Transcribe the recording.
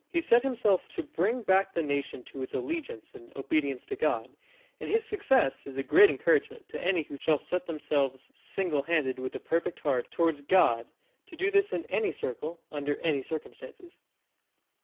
He set himself to bring back the nation to its allegiance and obedience to God; and his success is a great encouragement to any who shall set themselves, single handed and with a perfect heart, towards God, to do this in any circle, under any circumstances.